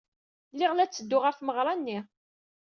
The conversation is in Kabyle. Lliɣ la ttedduɣ ɣer tmeɣra-nni.